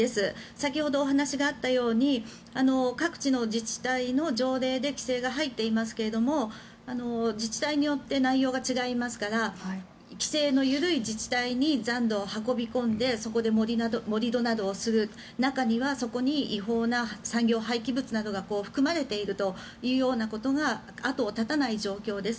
先ほどお話があったように各地の自治体の条例で規制が入っていますけれども自治体によって内容が違いますから規制の緩い自治体に残土を運び込んでそこで盛り土などをする中にはそこに違法な産業廃棄物などが含まれているというようなことが後を絶たない状況です。